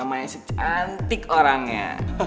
namanya secantik orangnya